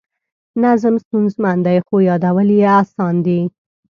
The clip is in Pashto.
نظم ستونزمن دی خو یادول یې اسان دي.